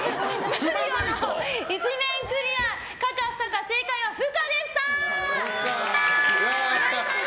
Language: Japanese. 「マリオ」の１面クリア可か不可か、正解は不可でした。